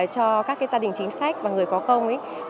cho các gia đình chính sách và người có công